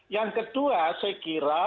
yang kedua saya kira